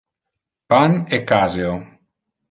Pan e caseo.